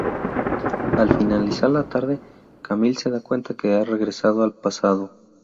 Al finalizar la tarde, Camille se da cuenta que ha regresado al pasado.